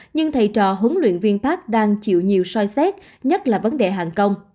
nhưng thầy trò huấn luyện viên park đang chịu nhiều soi xét nhất là vấn đề hàng công